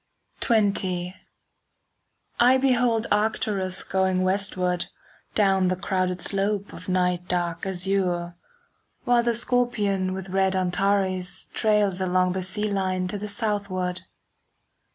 XX I behold Arcturus going westward Down the crowded slope of night dark azure, While the Scorpion with red Antares Trails along the sea line to the southward.